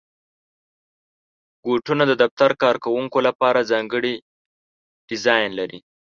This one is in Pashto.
بوټونه د دفتر کارکوونکو لپاره ځانګړي ډیزاین لري.